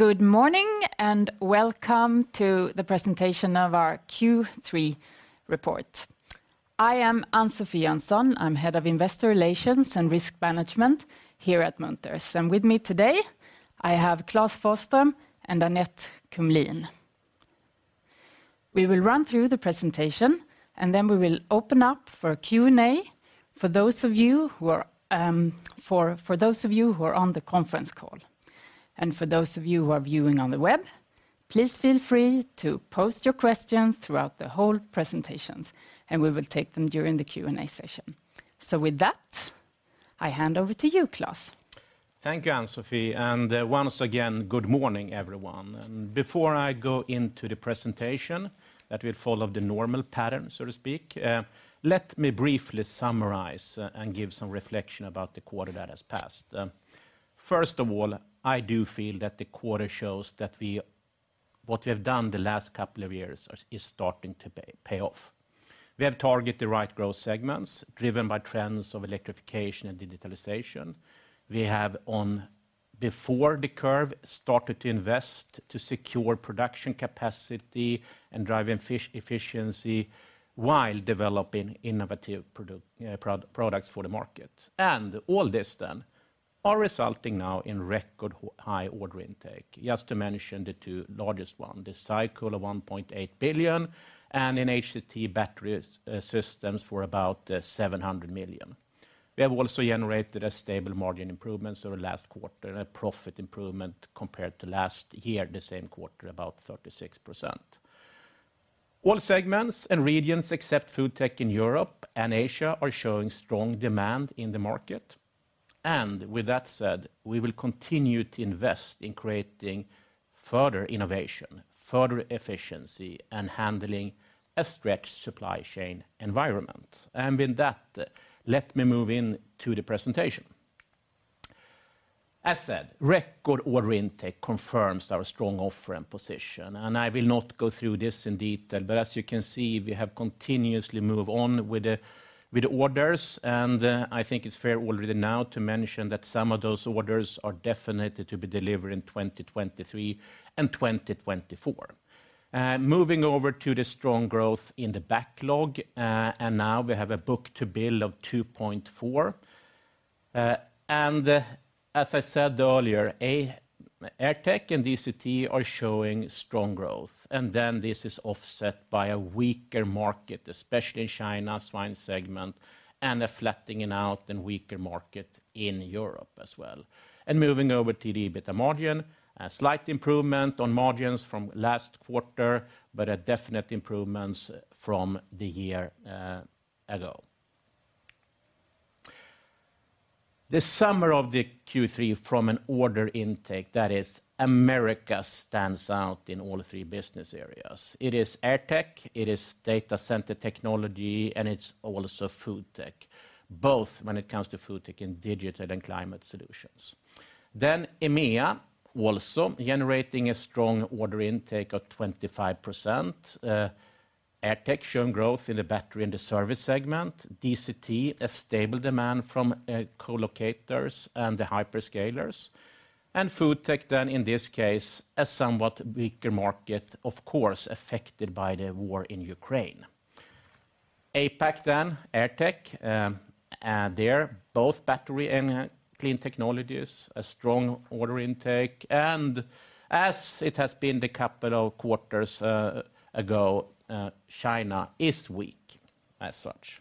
Good morning, and welcome to the presentation of our Q3 report. I am Ann-Sofi Jönsson. I'm head of investor relations and risk management here at Munters. With me today I have Klas Forsström and Annette Kumlien. We will run through the presentation, and then we will open up for Q&A for those of you who are on the conference call. For those of you who are viewing on the web, please feel free to post your questions throughout the whole presentations, and we will take them during the Q&A session. With that, I hand over to you, Klas. Thank you, Ann-Sofi, and once again, good morning, everyone. Before I go into the presentation that will follow the normal pattern, so to speak, let me briefly summarize and give some reflection about the quarter that has passed. First of all, I do feel that the quarter shows that what we have done the last couple of years is starting to pay off. We have targeted the right growth segments, driven by trends of electrification and digitalization. We have ahead of the curve started to invest to secure production capacity and drive efficiency while developing innovative products for the market. All this then are resulting now in record high order intake. Just to mention the two largest one, the SyCool of 1.8 billion and in AirTech battery systems for about 700 million. We have also generated a stable margin improvement over last quarter, a profit improvement compared to last year, the same quarter, about 36%. All segments and regions, except FoodTech in Europe and Asia, are showing strong demand in the market. With that said, we will continue to invest in creating further innovation, further efficiency, and handling a stretched supply chain environment. With that, let me move into the presentation. As said, record order intake confirms our strong offering position, and I will not go through this in detail, but as you can see, we have continuously moved on with the orders, and I think it's fair already now to mention that some of those orders are definitely to be delivered in 2023 and 2024. Moving over to the strong growth in the backlog, now we have a book-to-bill of 2.4. As I said earlier, AirTech and DCT are showing strong growth. This is offset by a weaker market, especially in China swine segment, and a flattening out and weaker market in Europe as well. Moving over to the EBITDA margin, a slight improvement on margins from last quarter, but a definite improvement from the year ago. The summary of the Q3 from an order intake, that is, America stands out in all three business areas. It is AirTech, it is data center technology, and it's also FoodTech, both when it comes to FoodTech in digital and climate solutions. EMEA also generating a strong order intake of 25%. AirTech showed growth in the battery and the service segment. DCT, a stable demand from co-locators and the hyperscalers. FoodTech then, in this case, a somewhat weaker market, of course, affected by the war in Ukraine. APAC then, AirTech, there both battery and clean technologies, a strong order intake, and as it has been the couple of quarters ago, China is weak as such.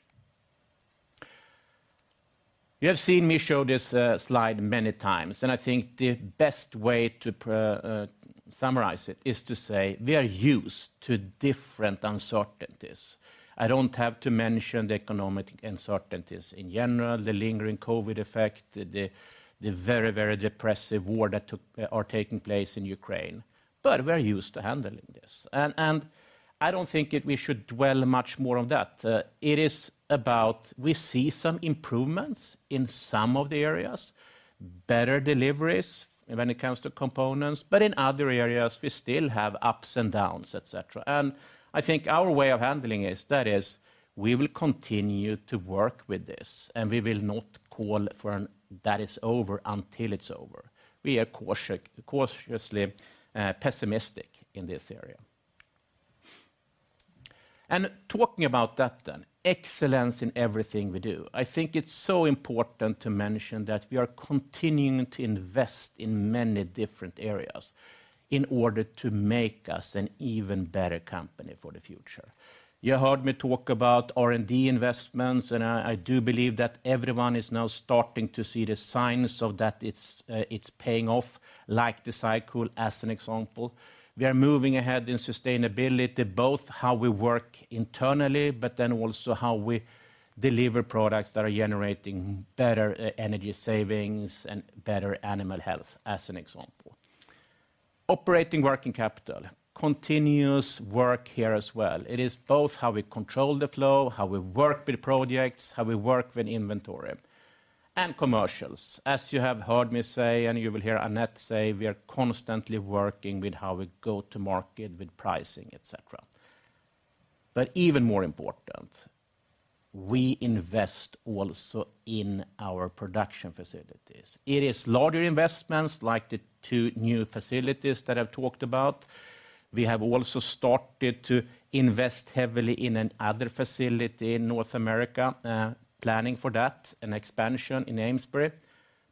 You have seen me show this slide many times, and I think the best way to summarize it is to say we are used to different uncertainties. I don't have to mention the economic uncertainties in general, the lingering COVID effect, the very depressive war that are taking place in Ukraine, but we're used to handling this. I don't think we should dwell much more on that. It is about we see some improvements in some of the areas, better deliveries when it comes to components, but in other areas, we still have ups and downs, et cetera. I think our way of handling is, that is, we will continue to work with this, and we will not call for an, "That is over," until it's over. We are cautiously pessimistic in this area. Talking about that then, excellence in everything we do. I think it's so important to mention that we are continuing to invest in many different areas in order to make us an even better company for the future. You heard me talk about R&D investments, and I do believe that everyone is now starting to see the signs of that it's paying off, like the SyCool as an example. We are moving ahead in sustainability, both how we work internally, but then also how we deliver products that are generating better energy savings and better animal health, as an example. Operating working capital, continuous work here as well. It is both how we control the flow, how we work with projects, how we work with inventory. Commercials. As you have heard me say, and you will hear Annette say, we are constantly working with how we go to market with pricing, et cetera. Even more important, we invest also in our production facilities. It is larger investments like the two new facilities that I've talked about. We have also started to invest heavily in another facility in North America, planning for that, an expansion in Amesbury.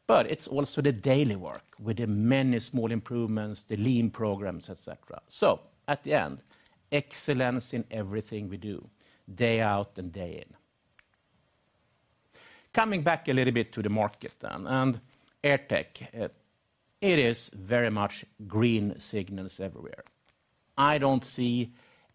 It's also the daily work with the many small improvements, the Lean programs, et cetera. At the end, excellence in everything we do day in and day out. Coming back a little bit to the market then, and AirTech, it is very much green signals everywhere. I don't see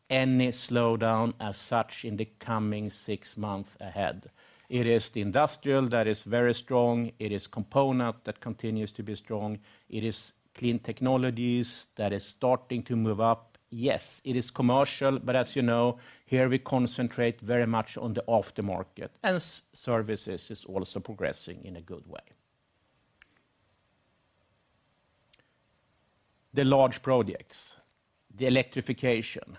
any slowdown as such in the coming six months ahead. It is the industrial that is very strong. It is component that continues to be strong. It is clean technologies that is starting to move up. Yes, it is commercial, but as you know, here we concentrate very much on the aftermarket. Services is also progressing in a good way. The large projects, the electrification.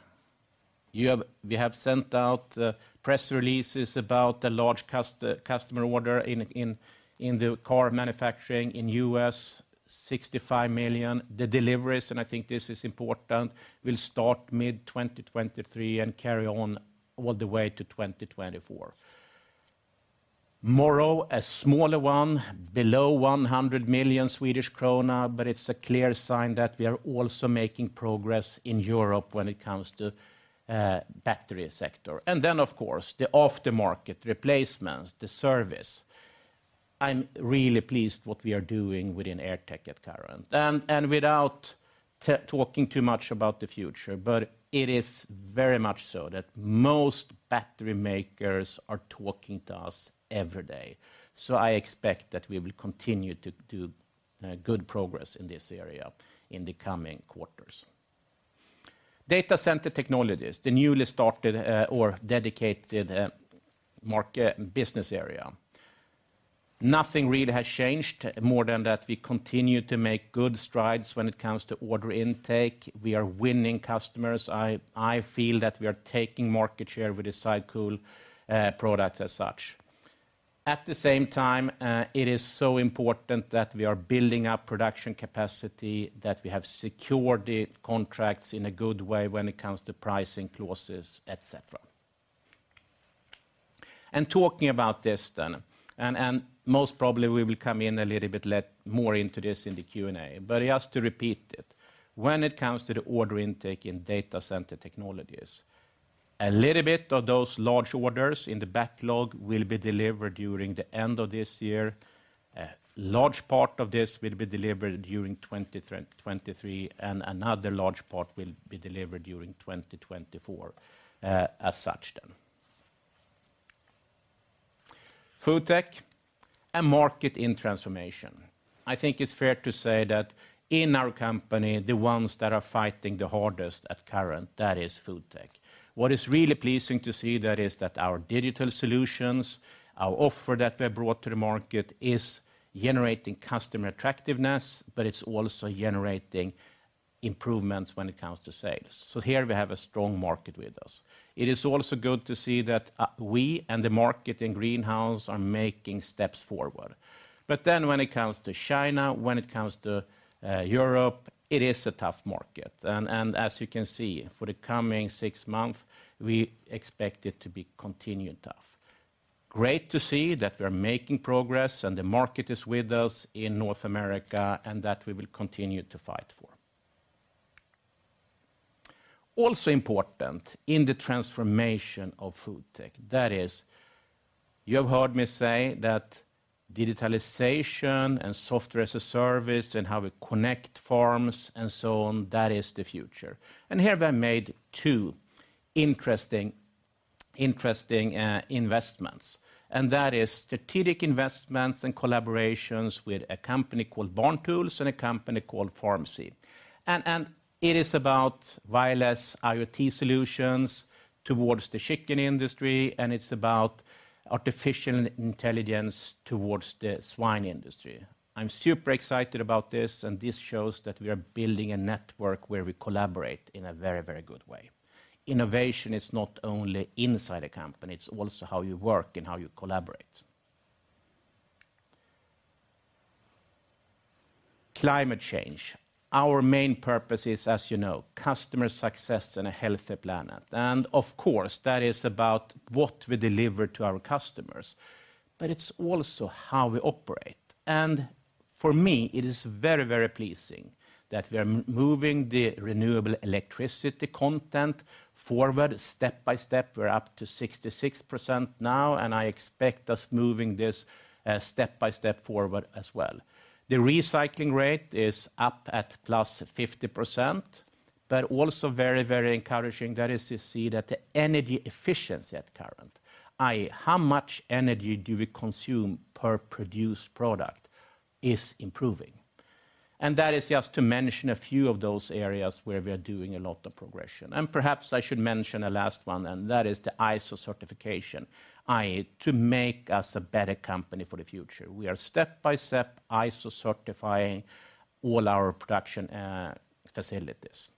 We have sent out press releases about the large customer order in the car manufacturing in the U.S., 65 million. The deliveries, and I think this is important, will start mid-2023 and carry on all the way to 2024. Morrow Batteries, a smaller one, below 100 million, but it's a clear sign that we are also making progress in Europe when it comes to battery sector. Then, of course, the aftermarket replacements, the service. I'm really pleased what we are doing within AirTech currently. Without talking too much about the future, but it is very much so that most battery makers are talking to us every day. I expect that we will continue to do good progress in this area in the coming quarters. Data Center Technologies, the newly started or dedicated business area. Nothing really has changed more than that we continue to make good strides when it comes to order intake. We are winning customers. I feel that we are taking market share with the SyCool product as such. At the same time, it is so important that we are building up production capacity, that we have secured the contracts in a good way when it comes to pricing clauses, et cetera. Talking about this then, and most probably we will come in a little bit more into this in the Q&A. Just to repeat it, when it comes to the order intake in Data Center Technologies, a little bit of those large orders in the backlog will be delivered during the end of this year. A large part of this will be delivered during 2023, and another large part will be delivered during 2024, as such then. FoodTech, a market in transformation. I think it's fair to say that in our company, the ones that are fighting the hardest currently, that is FoodTech. What is really pleasing to see there is that our digital solutions, our offer that we have brought to the market, is generating customer attractiveness, but it's also generating improvements when it comes to sales. Here we have a strong market with us. It is also good to see that we and the market in greenhouse are making steps forward. When it comes to China, when it comes to Europe, it is a tough market. As you can see, for the coming six months, we expect it to be continued tough. Great to see that we're making progress and the market is with us in North America and that we will continue to fight for. Also important in the transformation of FoodTech, that is, you have heard me say that digitalization and software-as-a-service and how we connect farms and so on, that is the future. Here we have made two interesting investments, and that is strategic investments and collaborations with a company called BarnTools and a company called FarmSee. It is about wireless IoT solutions towards the chicken industry, and it's about artificial intelligence towards the swine industry. I'm super excited about this, and this shows that we are building a network where we collaborate in a very, very good way. Innovation is not only inside a company, it's also how you work and how you collaborate. Climate change. Our main purpose is, as you know, customer success and a healthy planet. Of course, that is about what we deliver to our customers, but it's also how we operate. For me, it is very, very pleasing that we are moving the renewable electricity content forward step by step. We're up to 66% now, and I expect us moving this step by step forward as well. The recycling rate is up at plus 50%, but also very, very encouraging that is to see that the energy efficiency at current, i.e., how much energy do we consume per produced product, is improving. That is just to mention a few of those areas where we are doing a lot of progression. Perhaps I should mention a last one, and that is the ISO certification, i.e., to make us a better company for the future. We are step by step ISO certifying all our production facilities.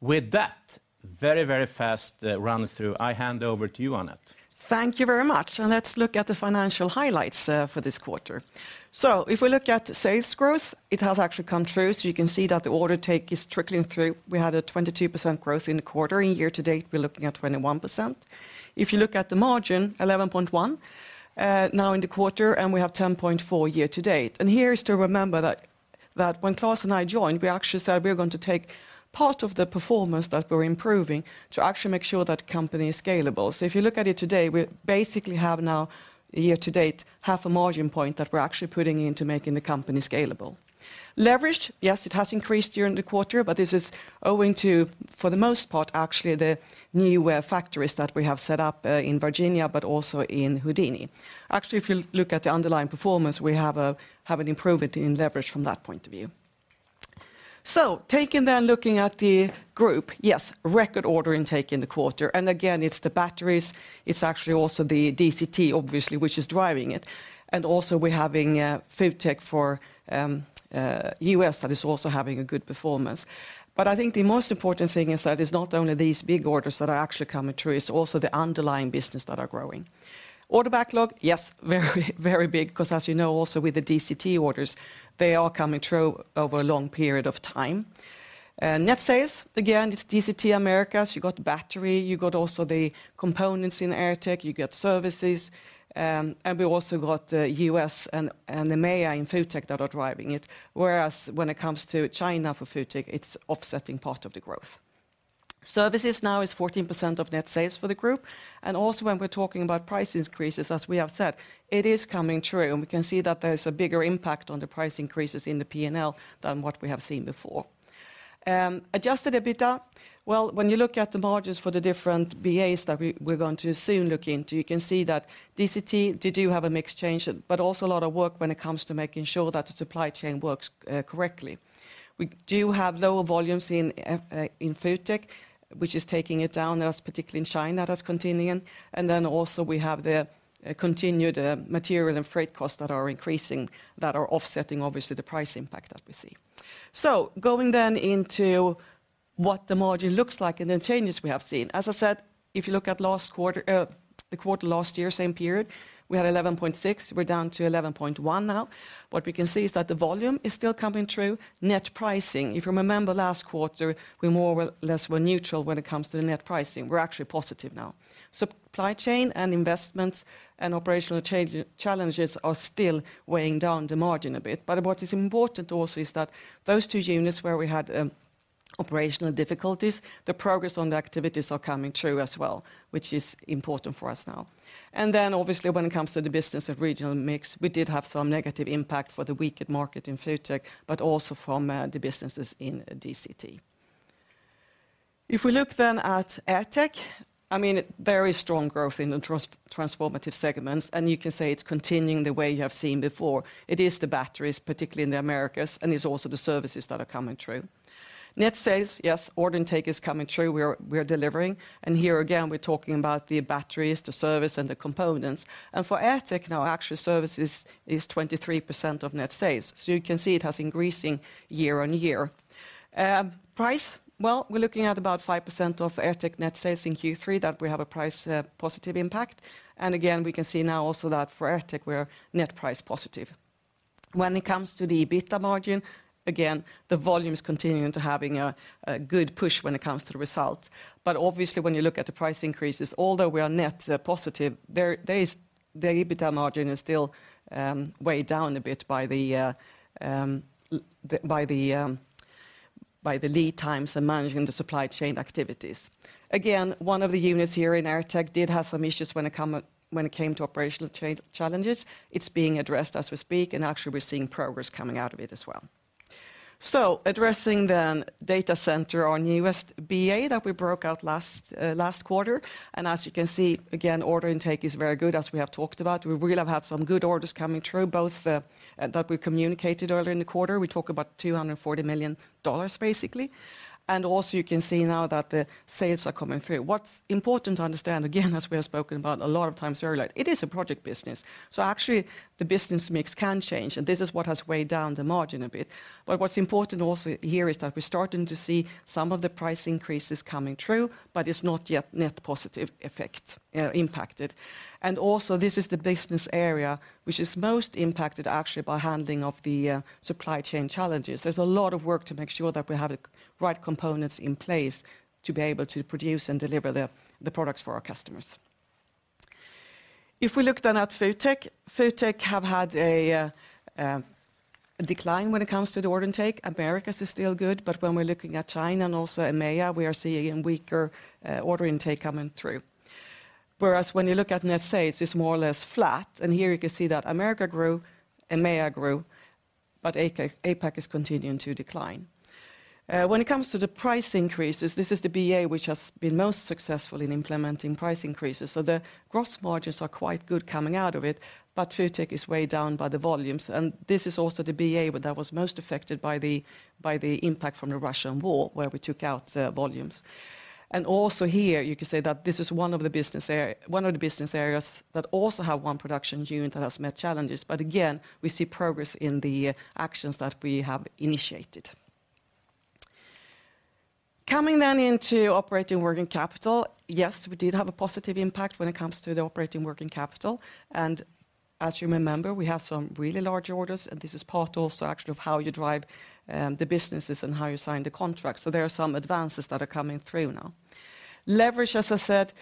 With that very, very fast run through, I hand over to you, Annette. Thank you very much, let's look at the financial highlights for this quarter. If we look at sales growth, it has actually come true, so you can see that the order take is trickling through. We had a 22% growth in the quarter. In year to date, we're looking at 21%. If you look at the margin, 11.1% now in the quarter, and we have 10.4% year-to-date. Here is to remember that when Klas and I joined, we actually said we're going to take part of the performance that we're improving to actually make sure that company is scalable. If you look at it today, we basically have now, year to date, half a margin point that we're actually putting into making the company scalable. Leverage, yes, it has increased during the quarter, but this is owing to, for the most part, actually the new factories that we have set up in Virginia, but also in Hodonín. Actually, if you look at the underlying performance, we have an improvement in leverage from that point of view. Then looking at the group, yes, record order intake in the quarter. Again, it's the batteries. It's actually also the DCT, obviously, which is driving it. Also we're having FoodTech for U.S. that is also having a good performance. I think the most important thing is that it's not only these big orders that are actually coming through, it's also the underlying business that are growing. Order backlog, yes, very, very big, 'cause as you know, also with the DCT orders, they are coming through over a long period of time. Net sales, again, it's DCT Americas. You got battery, you got also the components in AirTech, you get services. We also got U.S. and the EMEA in FoodTech that are driving it. Whereas when it comes to China for FoodTech, it's offsetting part of the growth. Services now is 14% of net sales for the group. Also when we're talking about price increases, as we have said, it is coming through, and we can see that there's a bigger impact on the price increases in the P&L than what we have seen before. Adjusted EBITDA, well, when you look at the margins for the different BAs that we're going to soon look into, you can see that DCT, they do have a mixed change, but also a lot of work when it comes to making sure that the supply chain works correctly. We do have lower volumes in FoodTech, which is taking it down. That's particularly in China that's continuing. Then also we have the continued material and freight costs that are increasing, that are offsetting, obviously, the price impact that we see. Going then into what the margin looks like and the changes we have seen. As I said, if you look at last quarter, the quarter last year, same period, we had 11.6%. We're down to 11.1% now. What we can see is that the volume is still coming through. Net pricing, if you remember last quarter, we more or less were neutral when it comes to the net pricing. We're actually positive now. Supply chain and investments and operational challenges are still weighing down the margin a bit. What is important also is that those two units where we had operational difficulties, the progress on the activities are coming through as well, which is important for us now. Then obviously, when it comes to the business of regional mix, we did have some negative impact for the weaker market in FoodTech, but also from the businesses in DCT. If we look then at AirTech, I mean, very strong growth in the transformative segments, and you can say it's continuing the way you have seen before. It is the batteries, particularly in the Americas, and it's also the services that are coming through. Net sales, yes, order intake is coming through. We're delivering. Here again, we're talking about the batteries, the service, and the components. For AirTech now, actual services is 23% of net sales. You can see it's increasing year-on-year. Price, well, we're looking at about 5% of AirTech net sales in Q3 that we have a price positive impact. Again, we can see now also that for AirTech, we're net price positive. When it comes to the EBITDA margin, again, the volume is continuing to have a good push when it comes to the results. Obviously, when you look at the price increases, although we are net positive, the EBITDA margin is still weighed down a bit by the lead times and managing the supply chain activities. Again, one of the units here in AirTech did have some issues when it came to operational challenges. It's being addressed as we speak, and actually we're seeing progress coming out of it as well. Addressing the data center, our newest BA that we broke out last quarter, and as you can see, again, order intake is very good, as we have talked about. We really have had some good orders coming through, both that we communicated earlier in the quarter. We talk about $240 million, basically. You can see now that the sales are coming through. What's important to understand, again, as we have spoken about a lot of times earlier, it is a project business. Actually, the business mix can change, and this is what has weighed down the margin a bit. What's important also here is that we're starting to see some of the price increases coming through, but it's not yet net positive effect, impacted. This is the business area which is most impacted actually by handling of the supply chain challenges. There's a lot of work to make sure that we have the right components in place to be able to produce and deliver the products for our customers. If we look at FoodTech have had a decline when it comes to the order intake. Americas is still good, but when we're looking at China and also EMEA, we are seeing a weaker order intake coming through. Whereas when you look at net sales, it's more or less flat, and here you can see that America grew, EMEA grew, but APAC is continuing to decline. When it comes to the price increases, this is the BA which has been most successful in implementing price increases. So the gross margins are quite good coming out of it, but FoodTech is weighed down by the volumes. Also here you could say that this is one of the business areas that also have one production unit that has met challenges. We see progress in the actions that we have initiated. Coming then into operating working capital, yes, we did have a positive impact when it comes to the operating working capital. As you may remember, we have some really large orders, and this is part also actually of how you drive the businesses and how you sign the contracts. There are some advances that are coming through now. Leverage, as I said,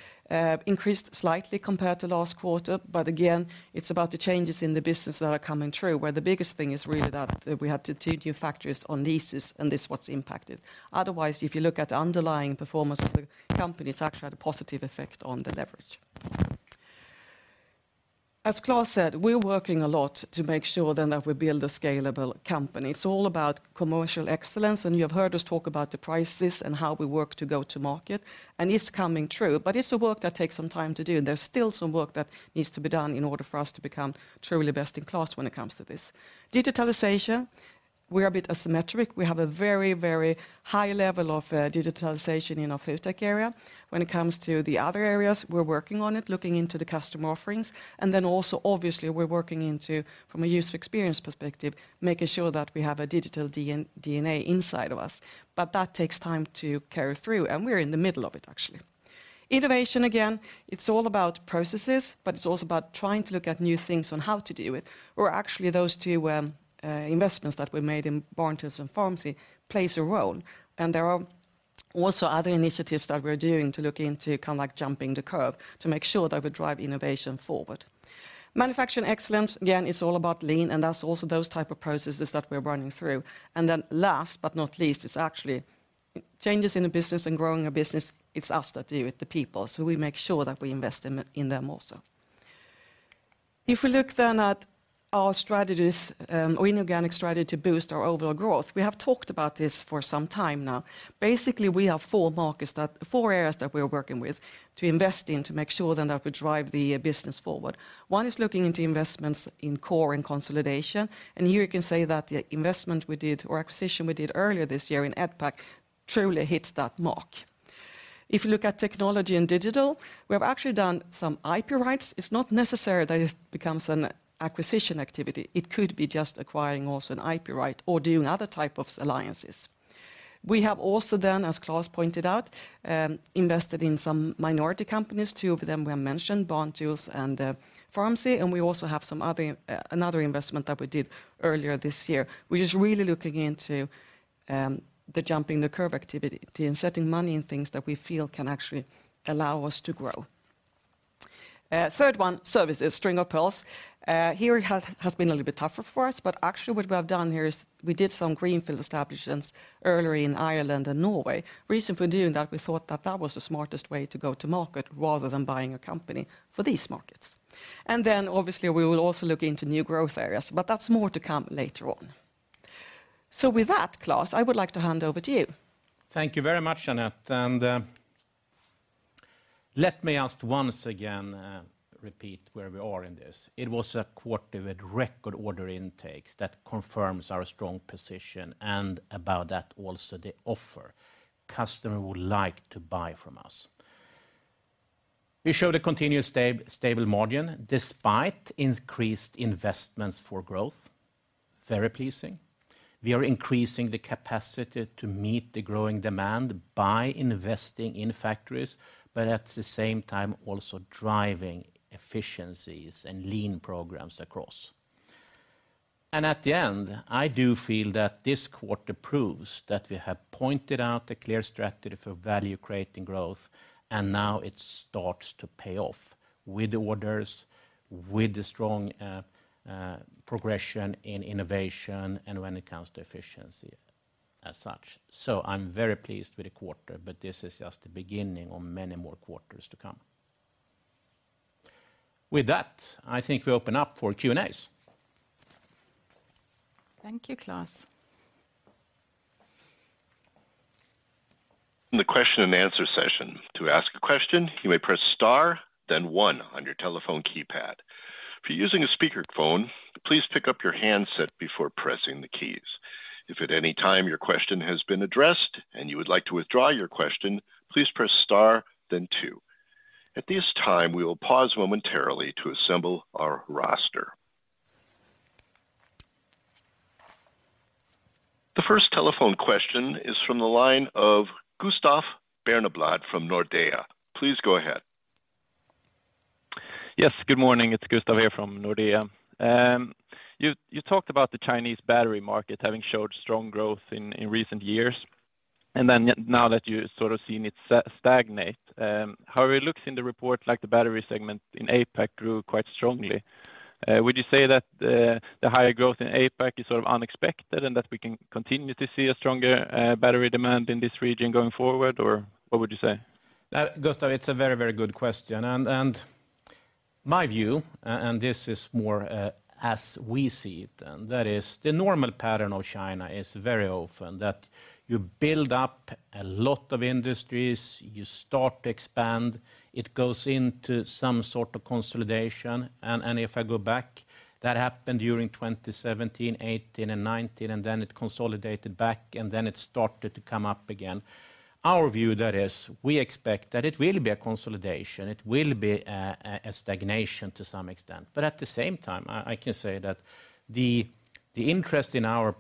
increased slightly compared to last quarter, but again, it's about the changes in the business that are coming through, where the biggest thing is really that we had two new factories on leases, and that's what's impacted. Otherwise, if you look at underlying performance of the company, it's actually had a positive effect on the leverage. As Klas said, we're working a lot to make sure then that we build a scalable company. It's all about commercial excellence, and you have heard us talk about the prices and how we work to go to market, and it's coming true. It's a work that takes some time to do, and there's still some work that needs to be done in order for us to become truly best in class when it comes to this. Digitalization, we're a bit asymmetric. We have a very, very high level of digitalization in our FoodTech area. When it comes to the other areas, we're working on it, looking into the custom offerings. Obviously, we're working into, from a user experience perspective, making sure that we have a digital DNA inside of us. That takes time to carry through, and we're in the middle of it, actually. Innovation, again, it's all about processes, but it's also about trying to look at new things on how to do it. Actually those two investments that we made in BarnTools and FarmSee plays a role. There are also other initiatives that we're doing to look into kind of like jumping the curve to make sure that we drive innovation forward. Manufacturing excellence, again, it's all about Lean, and that's also those type of processes that we're running through. Last but not least, it's actually changes in a business and growing a business, it's us that do it, the people. We make sure that we invest in them also. If we look then at our strategies or inorganic strategy to boost our overall growth, we have talked about this for some time now. Basically, we have four areas that we are working with to invest in to make sure then that we drive the business forward. One is looking into investments in core and consolidation, and here you can say that the investment we did or acquisition we did earlier this year in Edpac truly hits that mark. If you look at technology and digital, we have actually done some IP rights. It's not necessary that it becomes an acquisition activity. It could be just acquiring also an IP right or doing other type of alliances. We have also, as Klas pointed out, invested in some minority companies. Two of them were mentioned, BarnTools and FarmSee, and we also have some other another investment that we did earlier this year, which is really looking into the jumping the curve activity, investing money in things that we feel can actually allow us to grow. Third one, services, string of pearls. Here it has been a little bit tougher for us, but actually what we have done here is we did some greenfield establishments earlier in Ireland and Norway. Reason for doing that, we thought that was the smartest way to go to market rather than buying a company for these markets. Obviously we will also look into new growth areas, but that's more to come later on. With that, Klas, I would like to hand over to you. Thank you very much, Annette. Let me just once again repeat where we are in this. It was a quarter with record order intakes that confirms our strong position, and about that also the other customers would like to buy from us. We showed a continuous stable margin despite increased investments for growth. Very pleasing. We are increasing the capacity to meet the growing demand by investing in factories, but at the same time also driving efficiencies and Lean programs across. At the end, I do feel that this quarter proves that we have pointed out a clear strategy for value creating growth, and now it starts to pay off with orders, with the strong progression in innovation, and when it comes to efficiency as such. I'm very pleased with the quarter, but this is just the beginning of many more quarters to come. With that, I think we open up for Q&As. Thank you, Klas. The question and answer session. To ask a question, you may press star then one on your telephone keypad. If you're using a speakerphone, please pick up your handset before pressing the keys. If at any time your question has been addressed and you would like to withdraw your question, please press star then two. At this time, we will pause momentarily to assemble our roster. The first telephone question is from the line of Gustav Berneblad from Nordea. Please go ahead. Yes, good morning. It's Gustav here from Nordea. You talked about the Chinese battery market having showed strong growth in recent years, and then now that you're sort of seeing it stagnate. However, it looks in the report like the battery segment in APAC grew quite strongly. Would you say that the higher growth in APAC is sort of unexpected and that we can continue to see a stronger battery demand in this region going forward, or what would you say? Gustav, it's a very, very good question. My view, and this is more as we see it, and that is the normal pattern of China is very often that you build up a lot of industries, you start to expand, it goes into some sort of consolidation. If I go back, that happened during 2017, 2018, and 2019, and then it consolidated back, and then it started to come up again. Our view there is we expect that it will be a consolidation. It will be a stagnation to some extent. At the same time, I can say that the interest in our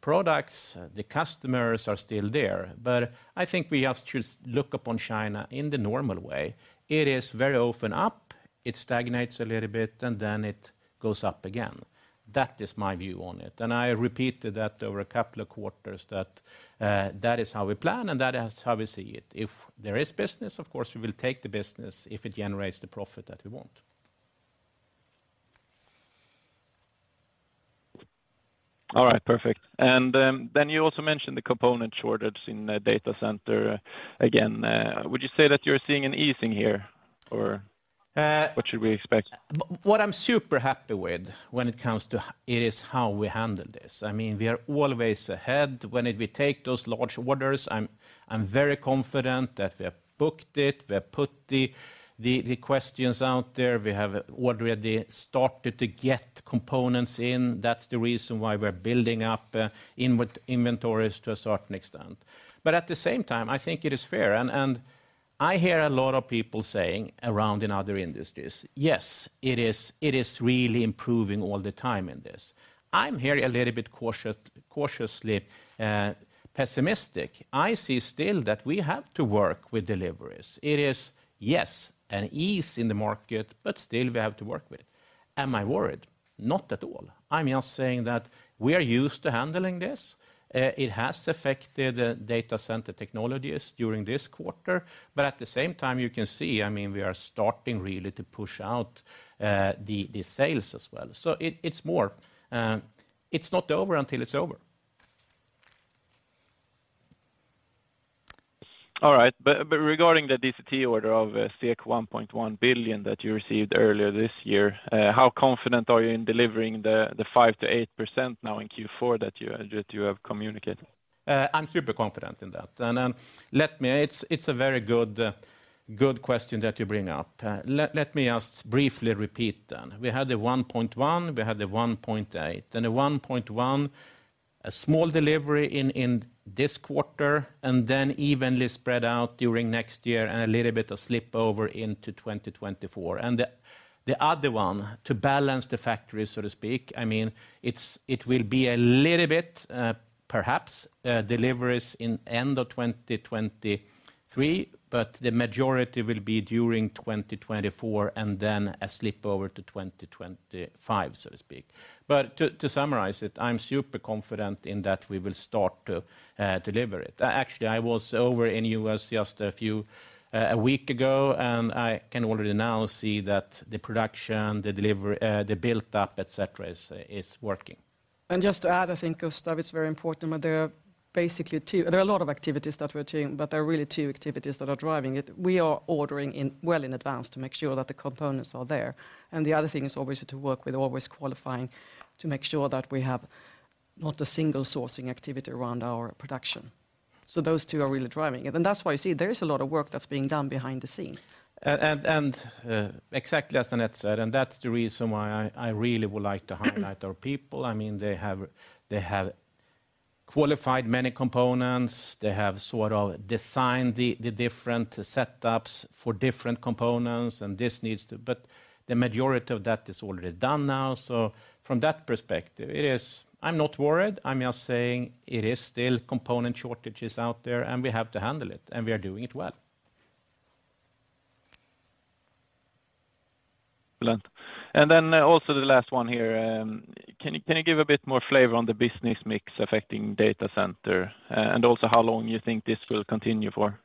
products, the customers are still there, but I think we just should look upon China in the normal way. It is very often up, it stagnates a little bit, and then it goes up again. That is my view on it, and I repeated that over a couple of quarters that is how we plan, and that is how we see it. If there is business, of course, we will take the business if it generates the profit that we want. All right. Perfect. You also mentioned the component shortage in the data center again. Would you say that you're seeing an easing here or? Uh- What should we expect? What I'm super happy with when it comes to it is how we handle this. I mean, we are always ahead. When we take those large orders, I'm very confident that we have booked it, we have put the questions out there. We have already started to get components in. That's the reason why we're building up inventories to a certain extent. At the same time, I think it is fair and I hear a lot of people saying around in other industries, "Yes, it is really improving all the time in this." I'm here a little bit cautiously pessimistic. I see still that we have to work with deliveries. It is, yes, an ease in the market, but still we have to work with. Am I worried? Not at all. I'm just saying that we are used to handling this. It has affected Data Center Technologies during this quarter, but at the same time, you can see, I mean, we are starting really to push out the sales as well. It's more. It's not over until it's over. All right. Regarding the DCT order of 1.1 billion that you received earlier this year, how confident are you in delivering the 5%-8% now in Q4 that you have communicated? I'm super confident in that. It's a very good question that you bring up. Let me just briefly repeat then. We had the 1.1, we had the 1.8. The 1.1, a small delivery in this quarter and then evenly spread out during next year and a little bit of slip over into 2024. The other one, to balance the factory, so to speak, I mean, it will be a little bit, perhaps, deliveries in end of 2023, but the majority will be during 2024 and then a slip over to 2025, so to speak. To summarize it, I'm super confident in that we will start to deliver it. Actually, I was over in U.S. just a few weeks ago, and I can already now see that the production, the build-up, et cetera, is working. Just to add, I think, Gustav, it's very important. There are a lot of activities that we're doing, but there are really two activities that are driving it. We are ordering well in advance to make sure that the components are there. The other thing is obviously to work with always qualifying to make sure that we have not a single sourcing activity around our production. Those two are really driving it. That's why you see there is a lot of work that's being done behind the scenes. Exactly as Annette said, and that's the reason why I really would like to highlight our people. I mean, they have qualified many components. They have sort of designed the different setups for different components. The majority of that is already done now. From that perspective, it is. I'm not worried. I'm just saying it is still component shortages out there, and we have to handle it, and we are doing it well. Brilliant. Also the last one here, can you give a bit more flavor on the business mix affecting data center, and also how long you think this will continue for?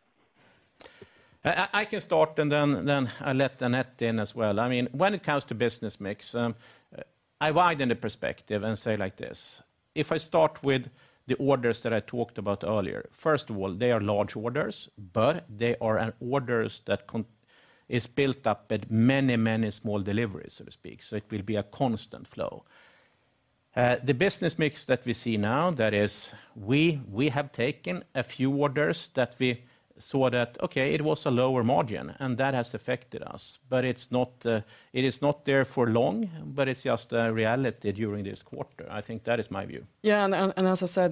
I can start, and then I'll let Annnette in as well. I mean, when it comes to business mix, I widen the perspective and say like this: If I start with the orders that I talked about earlier, first of all, they are large orders, but they are orders that is built up at many, many small deliveries, so to speak. It will be a constant flow. The business mix that we see now, that is, we have taken a few orders that we saw that, okay, it was a lower margin, and that has affected us. It's not, it is not there for long, but it's just a reality during this quarter. I think that is my view. As I said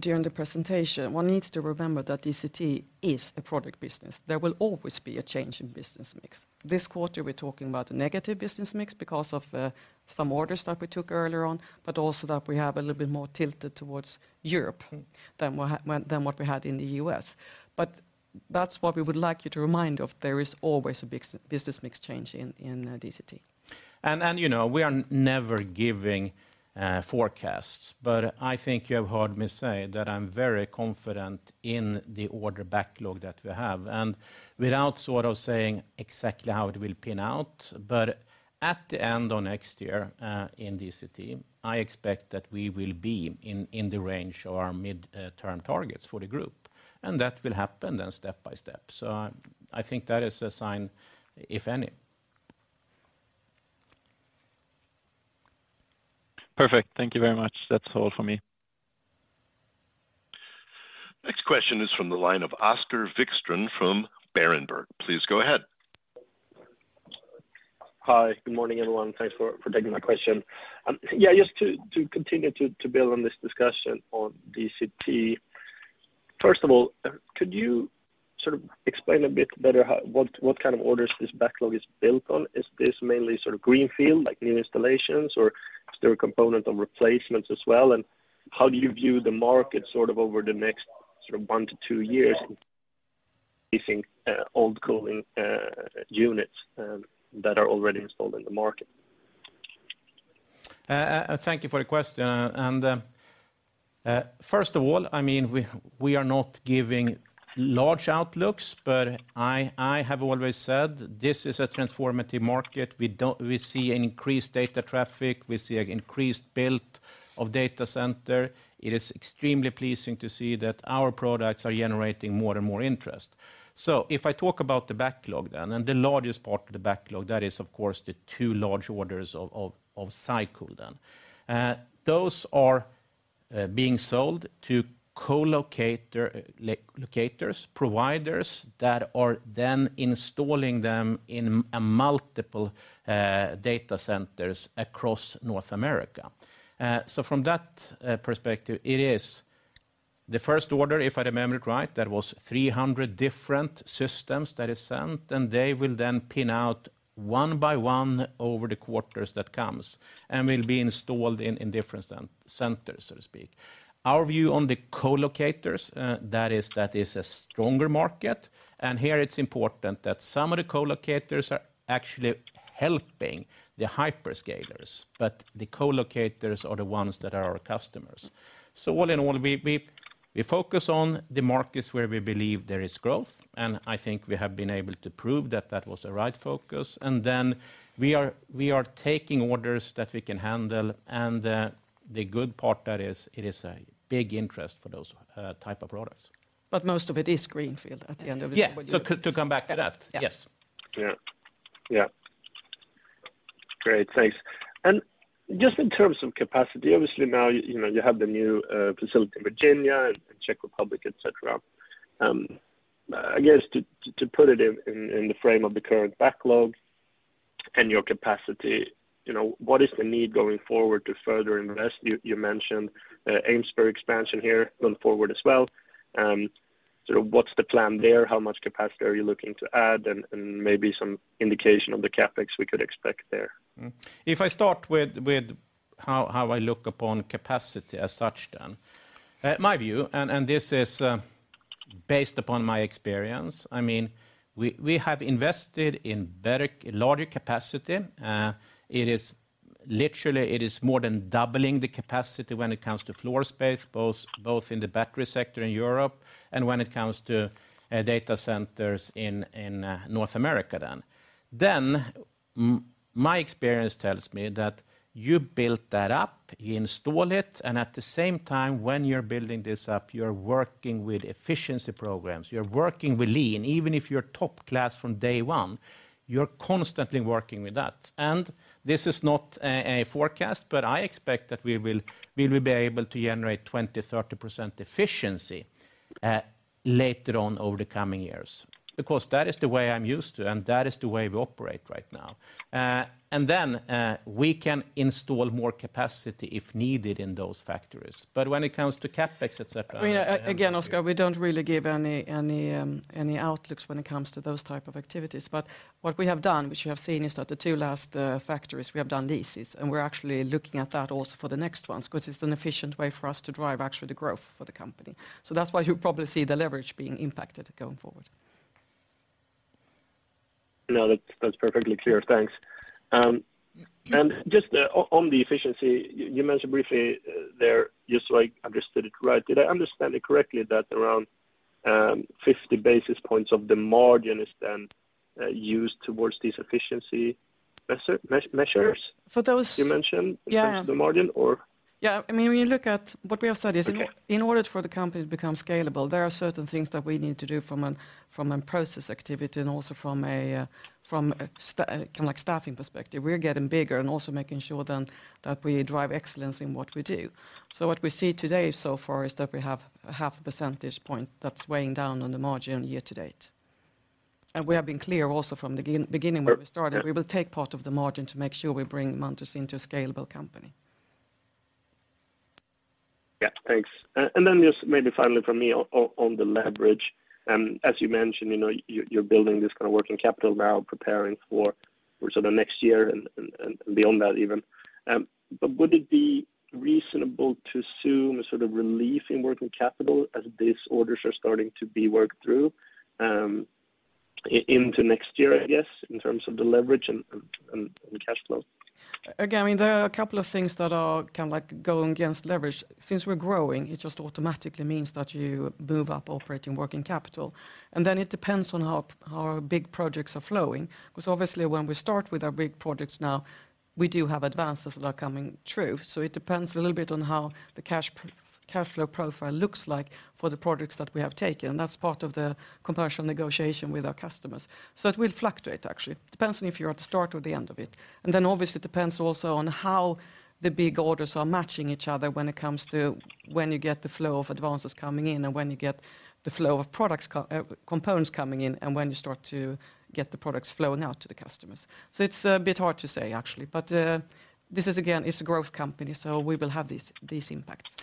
during the presentation, one needs to remember that DCT is a product business. There will always be a change in business mix. This quarter, we're talking about a negative business mix because of some orders that we took earlier on, but also that we have a little bit more tilted towards Europe than what we had in the U.S. That's what we would like you to remind of. There is always a business mix change in DCT. You know, we are never giving forecasts, but I think you have heard me say that I'm very confident in the order backlog that we have. Without sort of saying exactly how it will pan out, but at the end of next year, in DCT, I expect that we will be in the range of our mid-term targets for the group, and that will happen then step by step. I think that is a sign, if any. Perfect. Thank you very much. That's all for me. Next question is from the line of Oskar Wikström from Berenberg. Please go ahead. Hi. Good morning, everyone. Thanks for taking my question. Yeah, just to continue to build on this discussion on DCT. First of all, could you sort of explain a bit better what kind of orders this backlog is built on? Is this mainly sort of greenfield, like new installations, or is there a component of replacements as well? And how do you view the market sort of over the next sort of one to two years, do you think old cooling units that are already installed in the market? Thank you for the question. First of all, I mean, we are not giving large outlooks, but I have always said this is a transformative market. We see an increased data traffic, we see an increased build of data centers. It is extremely pleasing to see that our products are generating more and more interest. If I talk about the backlog then, the largest part of the backlog is, of course, the two large orders of SyCool. Those are being sold to co-location providers that are then installing them in multiple data centers across North America. From that perspective, it is the first order, if I remember it right, that was 300 different systems that is sent, and they will then roll out one by one over the quarters that comes and will be installed in different centers, so to speak. Our view on the co-locators, that is a stronger market. Here it's important that some of the co-locators are actually helping the hyperscalers, but the co-locators are the ones that are our customers. All in all, we focus on the markets where we believe there is growth, and I think we have been able to prove that was the right focus. Then we are taking orders that we can handle. The good part there is it is a big interest for those type of products. Most of it is greenfield at the end of it. Yeah. Could come back to that. Yeah. Yes. Yeah. Yeah. Great. Thanks. Just in terms of capacity, obviously now, you know, you have the new facility in Virginia and Czech Republic, et cetera. I guess to put it in the frame of the current backlog and your capacity, you know, what is the need going forward to further invest? You mentioned Amesbury expansion here going forward as well. Sort of what's the plan there? How much capacity are you looking to add? And maybe some indication of the CapEx we could expect there. If I start with how I look upon capacity as such. My view and this is based upon my experience, I mean, we have invested in better, larger capacity. It is literally more than doubling the capacity when it comes to floor space, both in the battery sector in Europe and when it comes to data centers in North America. My experience tells me that you build that up, you install it, and at the same time when you're building this up, you're working with efficiency programs, you're working with Lean. Even if you're top class from day one, you're constantly working with that. This is not a forecast, but I expect that we will be able to generate 20%-30% efficiency later on over the coming years. Because that is the way I'm used to and that is the way we operate right now. We can install more capacity if needed in those factories. When it comes to CapEx, et cetera. Again, Oskar, we don't really give any outlooks when it comes to those type of activities. What we have done, which you have seen, is that the two last factories we have done leases, and we're actually looking at that also for the next ones because it's an efficient way for us to drive actually the growth for the company. That's why you probably see the leverage being impacted going forward. No, that's perfectly clear. Thanks. Just on the efficiency, you mentioned briefly there, just so I understood it right, did I understand it correctly that around 50 basis points of the margin is then used towards these efficiency measures? For those- You mentioned. Yeah. the margin or? Yeah, I mean, when you look at what we have said is in- Okay. In order for the company to become scalable, there are certain things that we need to do from a process activity and also from a kinda like staffing perspective. We're getting bigger and also making sure then that we drive excellence in what we do. What we see today so far is that we have half a percentage point that's weighing down on the margin year to date. We have been clear also from the very beginning when we started, we will take part of the margin to make sure we bring Munters into a scalable company. Yeah. Thanks. Just maybe finally from me on the leverage, as you mentioned, you know, you're building this kind of working capital now preparing for sort of next year and beyond that even. Would it be reasonable to assume a sort of relief in working capital as these orders are starting to be worked through into next year, I guess, in terms of the leverage and cash flow? Again, I mean, there are a couple of things that are kinda like going against leverage. Since we're growing, it just automatically means that you move up operating working capital. It depends on how big projects are flowing, 'cause obviously when we start with our big projects now, we do have advances that are coming through. It depends a little bit on how the cash flow profile looks like for the projects that we have taken, and that's part of the commercial negotiation with our customers. It will fluctuate, actually. Depends on if you're at the start or the end of it. Obviously it depends also on how the big orders are matching each other when it comes to when you get the flow of advances coming in, and when you get the flow of products, components coming in, and when you start to get the products flowing out to the customers. It's a bit hard to say, actually. This is again, it's a growth company, so we will have these impacts.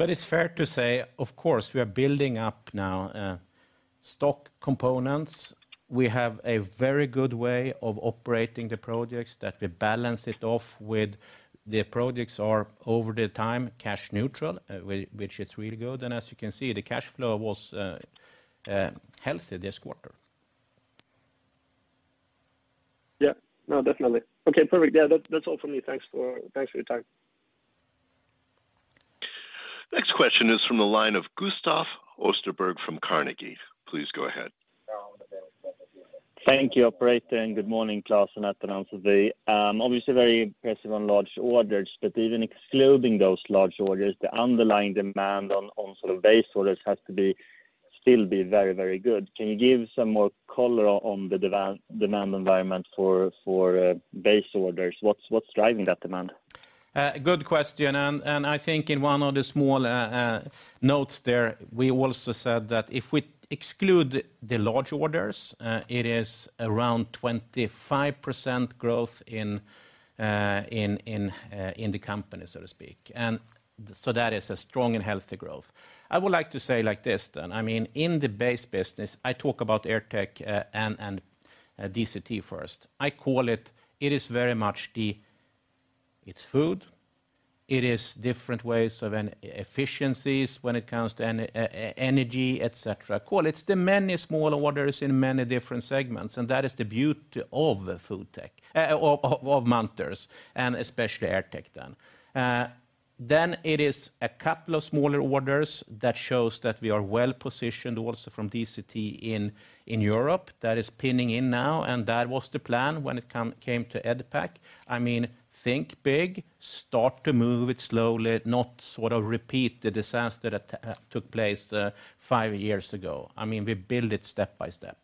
It's fair to say, of course, we are building up now stock components. We have a very good way of operating the projects that we balance it off with the projects are over the time cash neutral, which is really good. As you can see, the cash flow was healthy this quarter. Yeah. No, definitely. Okay, perfect. Yeah. That's all for me. Thanks for your time. Next question is from the line of Gustav Österberg from Carnegie. Please go ahead. Thank you, operator, and good morning, Klas and Annette. Obviously very impressive on large orders, but even excluding those large orders, the underlying demand on sort of base orders has to be still very, very good. Can you give some more color on the demand environment for base orders? What's driving that demand? Good question, and I think in one of the small notes there, we also said that if we exclude the large orders, it is around 25% growth in the company, so to speak. That is a strong and healthy growth. I would like to say like this then, I mean, in the base business, I talk about AirTech and DCT first. I call it is very much the, it's food, it is different ways of and efficiencies when it comes to energy, et cetera. It's the many small orders in many different segments, and that is the beauty of the FoodTech of Munters and especially AirTech then. It is a couple of smaller orders that shows that we are well-positioned also from DCT in Europe. That is pinning in now, and that was the plan when it came to Edpac. I mean, think big, start to move it slowly, not sort of repeat the disaster that took place five years ago. I mean, we build it step by step.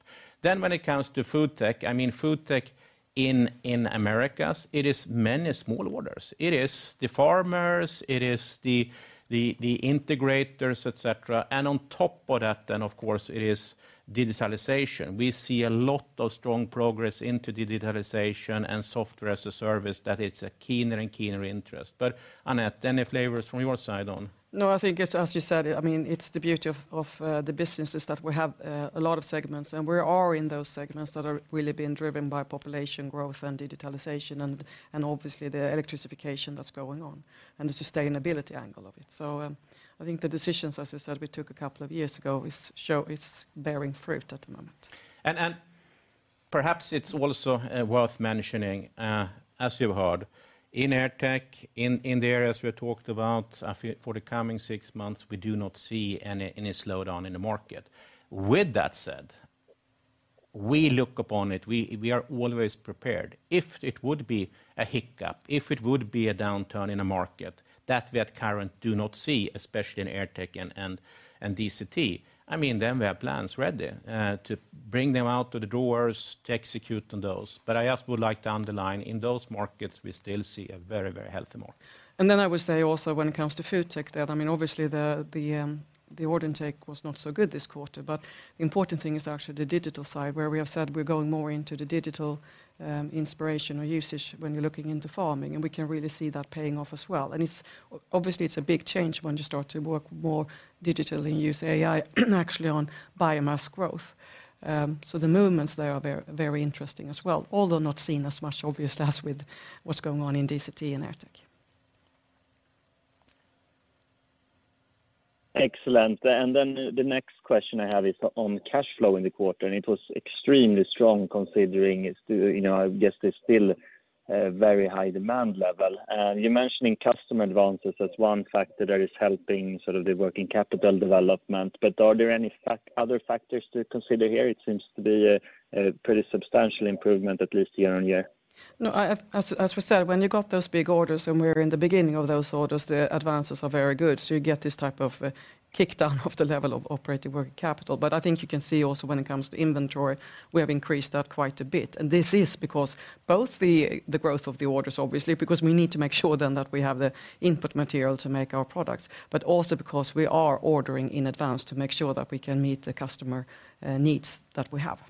When it comes to FoodTech, I mean FoodTech in Americas, it is many small orders. It is the farmers, it is the integrators, et cetera. On top of that, of course, it is digitalization. We see a lot of strong progress into the digitalization and software as a service that it's a keener and keener interest. Annette, any flavors from your side on? No, I think it's as you said. I mean, it's the beauty of the businesses that we have, a lot of segments, and we are in those segments that are really being driven by population growth and digitalization and obviously the electrification that's going on and the sustainability angle of it. I think the decisions, as you said, we took a couple of years ago is show it's bearing fruit at the moment. Perhaps it's also worth mentioning, as you heard, in AirTech, in the areas we talked about, for the coming six months, we do not see any slowdown in the market. With that said, we look upon it. We are always prepared. If it would be a hiccup, if it would be a downturn in a market that we currently do not see, especially in AirTech and DCT, I mean, then we have plans ready to bring them out of the drawer to execute on those. I also would like to underline, in those markets, we still see a very healthy market. I would say also when it comes to FoodTech that, I mean, obviously the order intake was not so good this quarter, but the important thing is actually the digital side, where we have said we're going more into the digital inspiration or usage when you're looking into farming, and we can really see that paying off as well. It's obviously a big change when you start to work more digitally and use AI actually on biomass growth. The movements there are very, very interesting as well, although not seen as much obviously as with what's going on in DCT and AirTech. Excellent. The next question I have is on cash flow in the quarter, and it was extremely strong considering it's, you know, I guess there's still a very high demand level. You're mentioning customer advances as one factor that is helping sort of the working capital development, but are there any other factors to consider here? It seems to be a pretty substantial improvement, at least year-over-year. No, as we said, when you got those big orders, and we're in the beginning of those orders, the advances are very good. You get this type of kickdown of the level of operating working capital. I think you can see also when it comes to inventory, we have increased that quite a bit. This is because both the growth of the orders, obviously, because we need to make sure then that we have the input material to make our products, but also because we are ordering in advance to make sure that we can meet the customer needs that we have.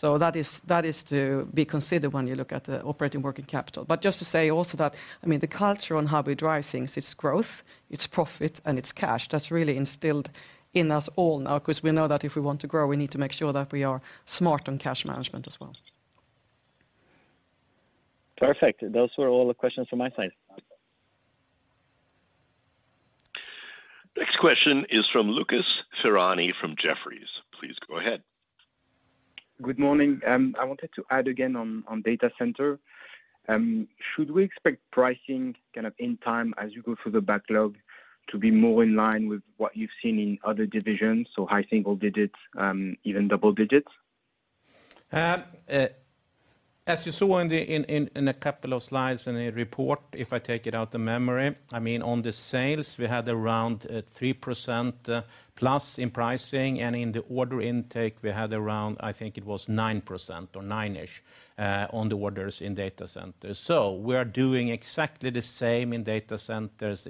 That is to be considered when you look at the operating working capital. Just to say also that, I mean, the culture on how we drive things, it's growth, it's profit, and it's cash. That's really instilled in us all now because we know that if we want to grow, we need to make sure that we are smart on cash management as well. Perfect. Those were all the questions from my side. Next question is from Lukas Ferrari from Jefferies. Please go ahead. Good morning. I wanted to add again on data center. Should we expect pricing kind of in time as you go through the backlog to be more in line with what you've seen in other divisions, so high single digits, even double digits? As you saw in a couple of slides in the report, if I take it out the memory, I mean, on the sales, we had around 3% plus in pricing, and in the order intake, we had around, I think it was 9% or nine-ish on the orders in data centers. We are doing exactly the same in data centers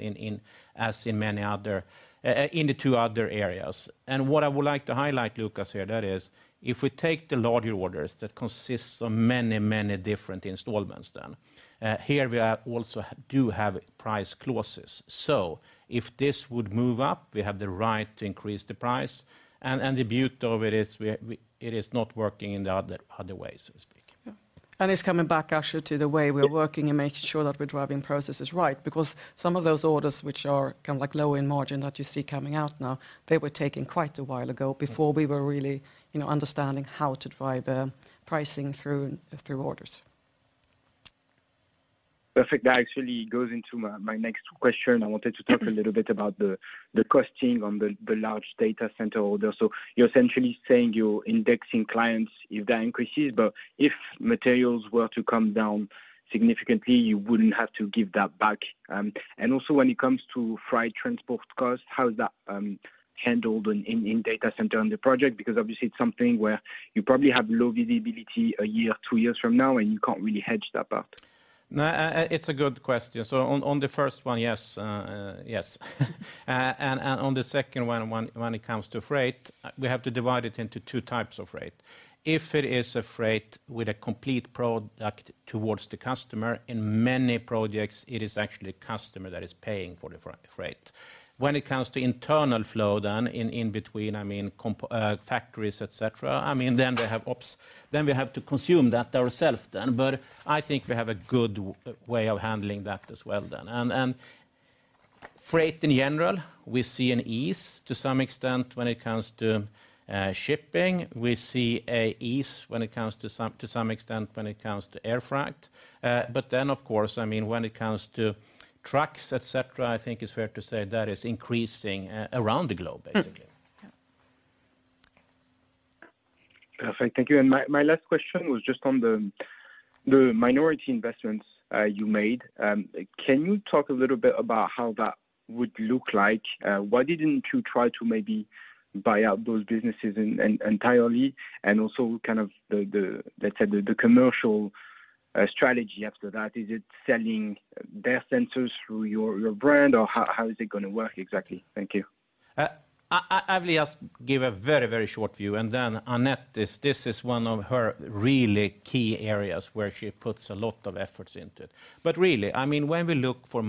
as in many other in the two other areas. What I would like to highlight, Lukas, here, that is if we take the larger orders that consists of many, many different installments then, here we are also do have price clauses. If this would move up, we have the right to increase the price and the beauty of it is it is not working in the other way, so to speak. Yeah. It's coming back actually to the way we're working. Yeah Making sure that we're driving processes right. Because some of those orders which are kind of like low in margin that you see coming out now, they were taken quite a while ago before we were really, you know, understanding how to drive pricing through orders. Perfect. That actually goes into my next question. I wanted to talk a little bit about the costing on the large data center orders. You're essentially saying you're indexing clients if that increases, but if materials were to come down significantly, you wouldn't have to give that back. And also when it comes to freight transport costs, how is that handled in data center on the project? Because obviously it's something where you probably have low visibility a year, two years from now, and you can't really hedge that part. No, it's a good question. On the first one, yes. Yes. On the second one, when it comes to freight, we have to divide it into two types of freight. If it is a freight with a complete product towards the customer, in many projects, it is actually the customer that is paying for the freight. When it comes to internal flow in between, I mean, factories, et cetera, I mean, then the OpEx. We have to consume that ourselves. I think we have a good way of handling that as well. Freight in general, we see an easing to some extent when it comes to shipping. We see an easing to some extent when it comes to air freight. Of course, I mean when it comes to trucks, et cetera, I think it's fair to say that is increasing around the globe, basically. Yeah. Perfect. Thank you. My last question was just on the minority investments you made. Can you talk a little bit about how that would look like? Why didn't you try to maybe buy out those businesses entirely and also kind of, let's say, the commercial strategy after that? Is it selling their centers through your brand, or how is it gonna work exactly? Thank you. I will just give a very short view, and then Annette, this is one of her really key areas where she puts a lot of efforts into it. Really, I mean, when we look for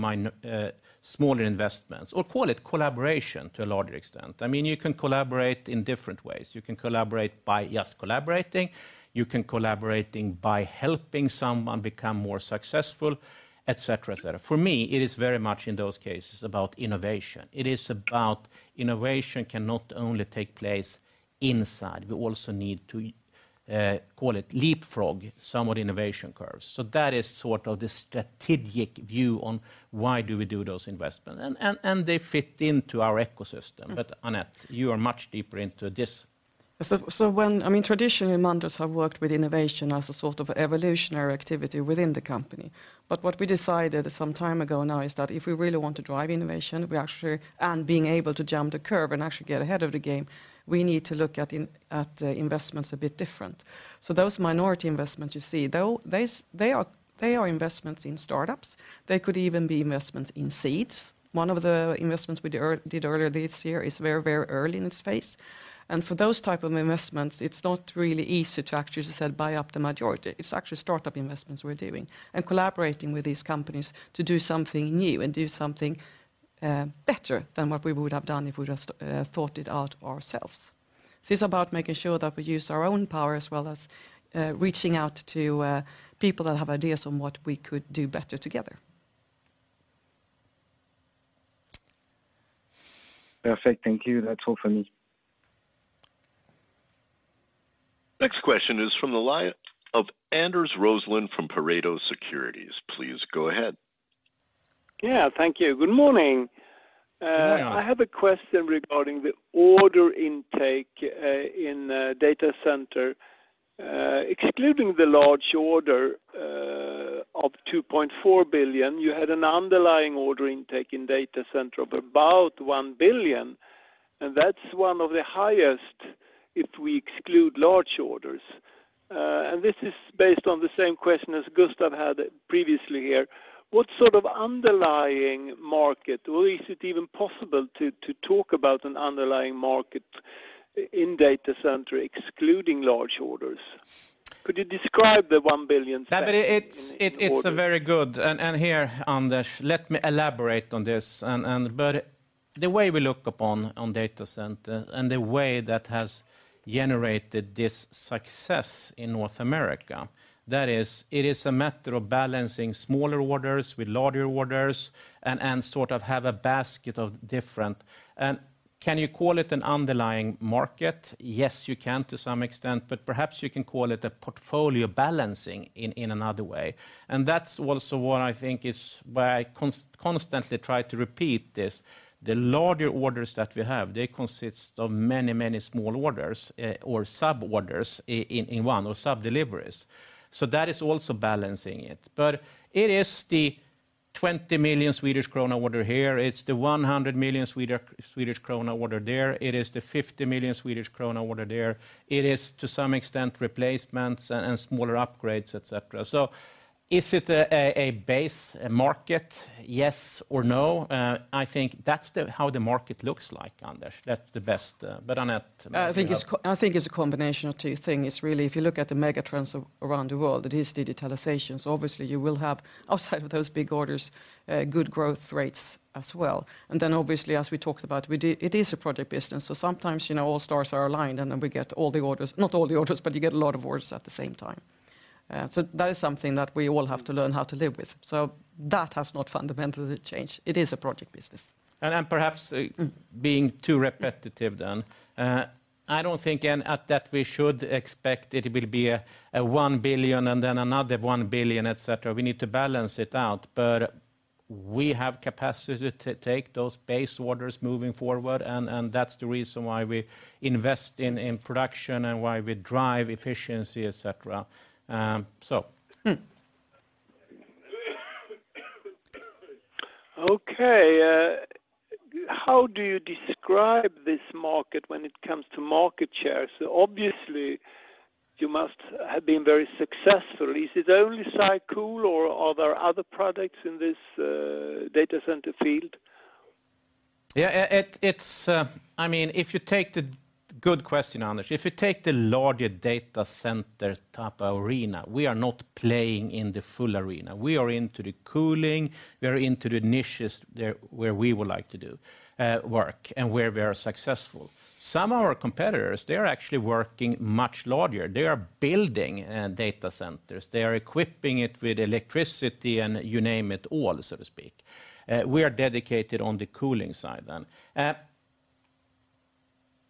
smaller investments, or call it collaboration to a larger extent, I mean, you can collaborate in different ways. You can collaborate by just collaborating, by helping someone become more successful, et cetera, et cetera. For me, it is very much in those cases about innovation. It is about innovation cannot only take place inside. We also need to call it leapfrog somewhat innovation curves. That is sort of the strategic view on why do we do those investments and they fit into our ecosystem. Annette, you are much deeper into this. When, I mean, traditionally, managers have worked with innovation as a sort of evolutionary activity within the company. What we decided some time ago now is that if we really want to drive innovation, we actually and being able to jump the curve and actually get ahead of the game, we need to look at investments a bit different. Those minority investments you see, though they are investments in startups. They could even be investments in seeds. One of the investments we did earlier this year is very, very early in its phase. For those type of investments, it's not really easy to actually, as you said, buy up the majority. It's actually startup investments we're doing and collaborating with these companies to do something new and do something better than what we would have done if we just thought it out ourselves. It's about making sure that we use our own power as well as reaching out to people that have ideas on what we could do better together. Perfect. Thank you. That's all for me. Next question is from the line of Anders Roslund from Pareto Securities. Please go ahead. Yeah, thank you. Good morning. Yeah. I have a question regarding the order intake in data center. Excluding the large order of 2.4 billion, you had an underlying order intake in data center of about 1 billion, and that's one of the highest if we exclude large orders. This is based on the same question as Gustav had previously here. What sort of underlying market, or is it even possible to talk about an underlying market in data center excluding large orders? Could you describe the 1 billion- Yeah. It's a very good, and here, Anders, let me elaborate on this. The way we look upon data center and the way that has generated this success in North America, that is a matter of balancing smaller orders with larger orders and sort of have a basket of different. Can you call it an underlying market? Yes, you can to some extent, but perhaps you can call it a portfolio balancing in another way. That's also what I think is where I constantly try to repeat this. The larger orders that we have, they consist of many small orders or sub-orders in one or sub-deliveries. That is also balancing it. It is the 20 million order here. It's the 100 million Swedish krona order there. It is the 50 million order there. It is to some extent replacements and smaller upgrades, et cetera. Is it a base market? Yes or no? I think that's how the market looks like, Anders. That's the best, but Annette- I think it's a combination of two things. It's really, if you look at the mega trends around the world, it is digitalizations. Obviously, you will have, outside of those big orders, good growth rates as well. Obviously, as we talked about, it is a project business, so sometimes, you know, all stars are aligned, and then we get all the orders. Not all the orders, but you get a lot of orders at the same time. That is something that we all have to learn how to live with. That has not fundamentally changed. It is a project business. Perhaps being too repetitive then, I don't think we should expect it will be a 1 billion and then another 1 billion, et cetera. We need to balance it out. We have capacity to take those base orders moving forward, and that's the reason why we invest in production and why we drive efficiency, et cetera. Okay. How do you describe this market when it comes to market share? Obviously you must have been very successful. Is it only SyCool or are there other products in this data center field? I mean, good question, Anders. If you take the larger data center type arena, we are not playing in the full arena. We are into the cooling. We are into the niches there where we would like to do work and where we are successful. Some of our competitors, they're actually working much larger. They are building data centers. They are equipping it with electricity, and you name it all, so to speak. We are dedicated on the cooling side then.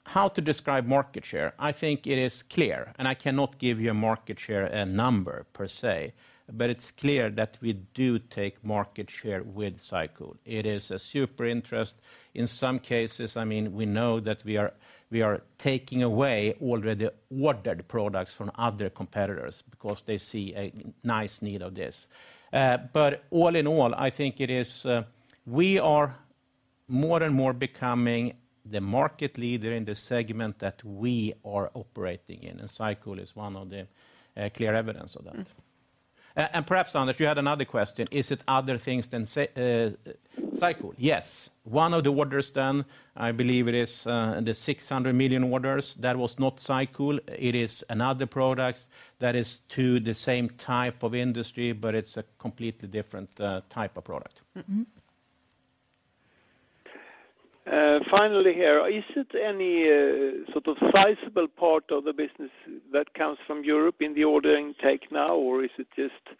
How to describe market share? I think it is clear, and I cannot give you a market share, a number per se, but it's clear that we do take market share with SyCool. It is a super interest. In some cases, I mean, we know that we are taking away already ordered products from other competitors because they see a nice need of this. But all in all, I think it is we are more and more becoming the market leader in the segment that we are operating in, and SyCool is one of the clear evidence of that. Mm. Perhaps, Anders, you had another question. Is it other things than SyCool? Yes. One of the orders done, I believe it is, the 600 million orders, that was not SyCool. It is another product that is to the same type of industry, but it's a completely different type of product. Mm-hmm. Finally here. Is it any sort of sizable part of the business that comes from Europe in the order intake now, or is it just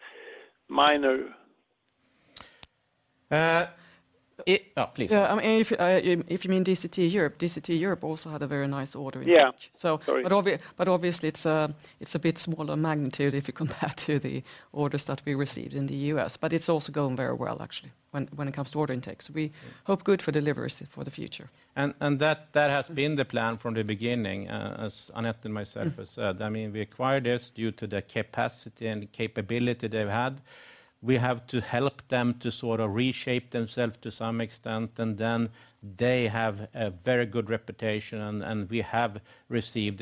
minor? Please. Yeah, I mean, if you mean DCT Europe, DCT Europe also had a very nice order intake. Yeah, sorry. Obviously it's a bit smaller magnitude if you compare to the orders that we received in the U.S. It's also going very well actually when it comes to order intakes. We hope good for deliveries for the future. That has been the plan from the beginning, as Annette and myself have said. I mean, we acquired this due to the capacity and capability they've had. We have to help them to sort of reshape themselves to some extent, and then they have a very good reputation, and we have received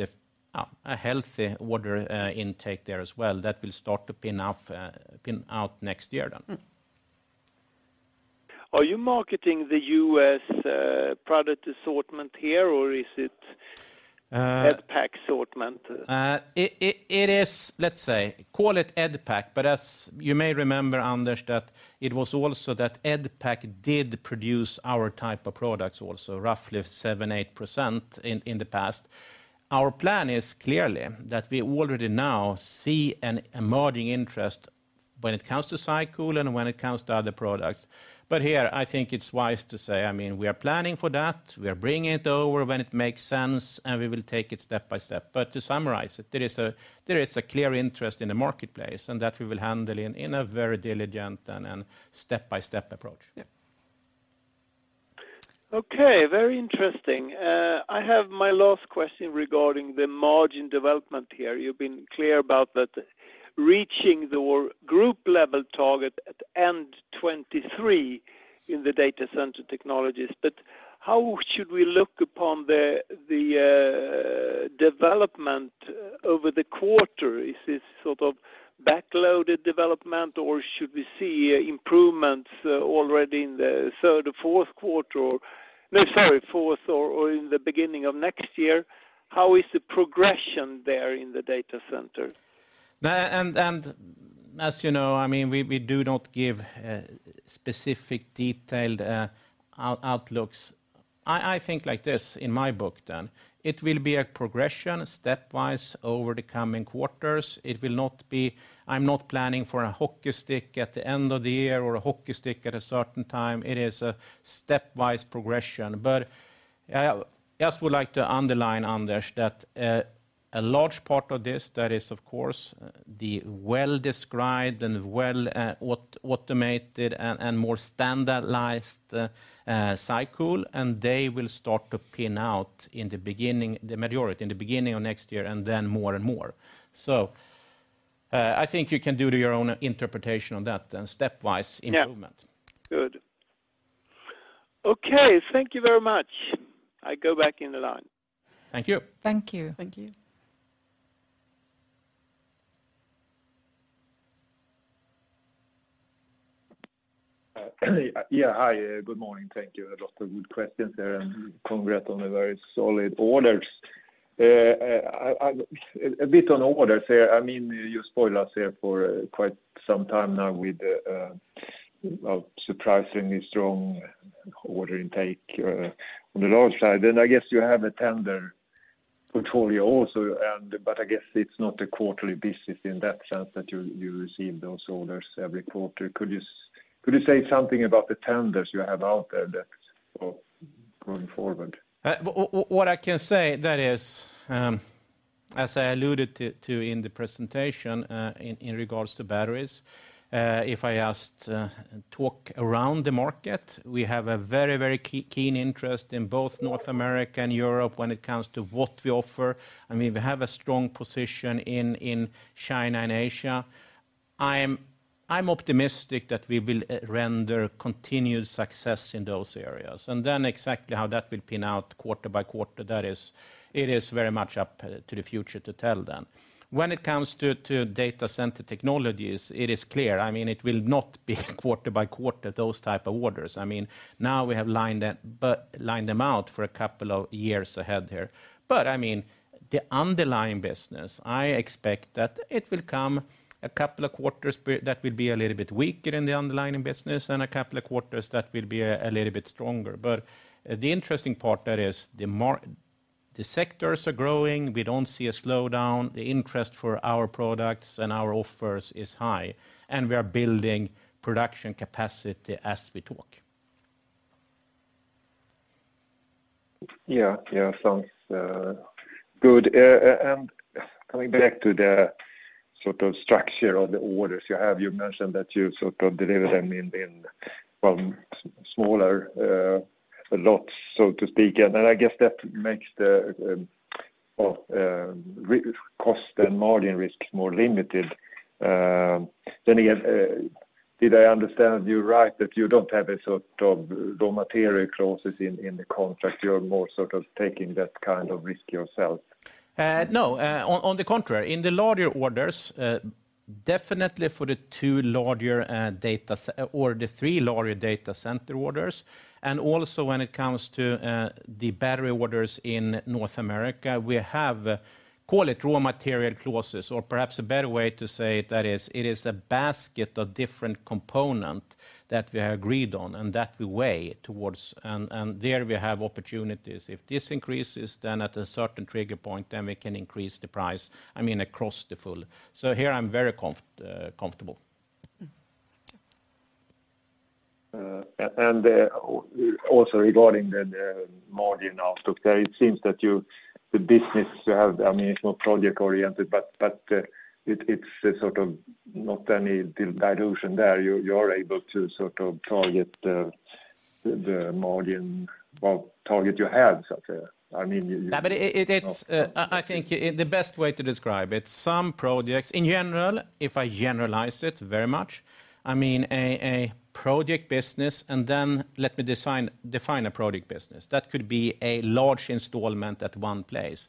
a healthy order intake there as well that will start to pay off next year. Mm. Are you marketing the U.S. product assortment here or is it? Uh- Edpac assortment? It is, let's say, call it Edpac, but as you may remember, Anders, that it was also that Edpac did produce our type of products also, roughly 7%-8% in the past. Our plan is clearly that we already now see an emerging interest when it comes to SyCool and when it comes to other products. Here I think it's wise to say, I mean, we are planning for that. We are bringing it over when it makes sense, and we will take it step by step. To summarize it, there is a clear interest in the marketplace and that we will handle in a very diligent and step-by-step approach. Yeah. Okay, very interesting. I have my last question regarding the margin development here. You've been clear about that reaching the group level target at end 2023 in the Data Center Technologies, but how should we look upon the development over the quarter? Is this sort of back-loaded development, or should we see improvements already in the third or fourth quarter? Or no, sorry, fourth or in the beginning of next year? How is the progression there in the Data Center? As you know, I mean, we do not give specific detailed outlooks. I think like this in my book then. It will be a progression stepwise over the coming quarters. It will not be. I'm not planning for a hockey stick at the end of the year or a hockey stick at a certain time. It is a stepwise progression. I just would like to underline, Anders, that a large part of this, that is of course the well-described and well automated and more standardized SyCool, and they will start to kick in in the beginning, the majority in the beginning of next year and then more and more. I think you can do your own interpretation on that then, stepwise improvement. Yeah. Good. Okay, thank you very much. I go back in the line. Thank you. Thank you. Thank you. Hi, good morning. Thank you. A lot of good questions there, and congrats on the very solid orders. A bit on orders there. I mean, you spoil us there for quite some time now with surprisingly strong order intake on the large side. I guess you have a tender portfolio also, and but I guess it's not a quarterly business in that sense that you receive those orders every quarter. Could you say something about the tenders you have out there that are going forward? What I can say is, as I alluded to in the presentation, in regards to batteries, if I talk to the market, we have a very keen interest in both North America and Europe when it comes to what we offer, and we have a strong position in China and Asia. I'm optimistic that we will render continued success in those areas. Exactly how that will pan out quarter by quarter, that is, it is very much up to the future to tell. When it comes to Data Center Technologies, it is clear, I mean, it will not be quarter-by-quarter, those type of orders. I mean, now we have lined them up for a couple of years ahead here. I mean, the underlying business, I expect that it will come a couple of quarters that will be a little bit weaker in the underlying business than a couple of quarters that will be a little bit stronger. The interesting part there is the sectors are growing. We don't see a slowdown. The interest for our products and our offers is high, and we are building production capacity as we talk. Yeah. Yeah. Sounds good. Coming back to the sort of structure of the orders you have, you mentioned that you sort of deliver them in smaller lots, so to speak. I guess that makes the cost and margin risk more limited. Did I understand you right that you don't have a sort of raw material clauses in the contract, you're more sort of taking that kind of risk yourself? No. On the contrary, in the larger orders, definitely for the two larger or the three larger data center orders, and also when it comes to the battery orders in North America, we have, call it raw material clauses, or perhaps a better way to say it, that is, it is a basket of different component that we have agreed on and that we weigh towards. There we have opportunities. If this increases, then at a certain trigger point, then we can increase the price, I mean, across the full. Here I'm very comfortable. Also regarding the margin outlook there, it seems that the business you have, I mean, it's more project-oriented, but it's a sort of not any dilution there. You're able to sort of target the margin target you have out there. I mean, you I think in the best way to describe it, some projects, in general, if I generalize it very much, I mean, a project business, and then let me define a project business. That could be a large installation at one place.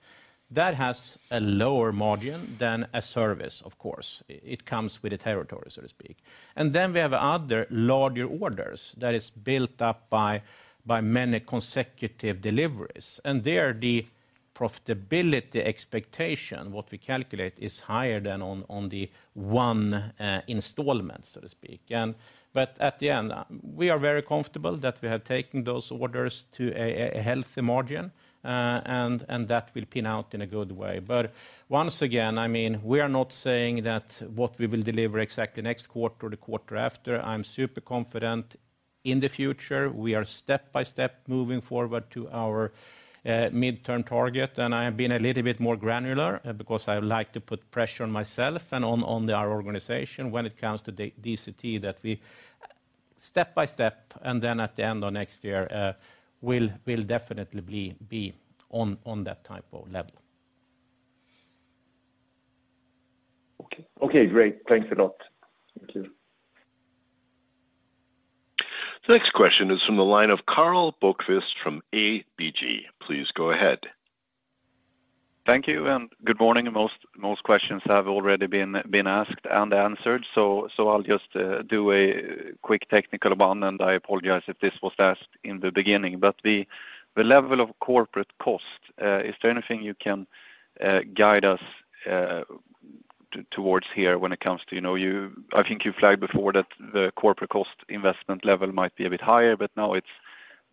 That has a lower margin than a service, of course. It comes with the territory, so to speak. We have other larger orders that is built up by many consecutive deliveries. There, the profitability expectation, what we calculate, is higher than on the one installation, so to speak. At the end, we are very comfortable that we have taken those orders to a healthy margin, and that will pan out in a good way. Once again, I mean, we are not saying that what we will deliver exactly next quarter or the quarter after. I'm super confident in the future. We are step by step moving forward to our midterm target, and I have been a little bit more granular because I like to put pressure on myself and on our organization when it comes to DCT that we step by step, and then at the end of next year will definitely be on that type of level. Okay. Okay, great. Thanks a lot. Thank you. The next question is from the line of Karl Bokvist from ABG. Please go ahead. Thank you, and good morning. Most questions have already been asked and answered, so I'll just do a quick technical one, and I apologize if this was asked in the beginning. The level of corporate costs, is there anything you can guide us towards here when it comes to, you know, I think you flagged before that the corporate cost investment level might be a bit higher, but now it's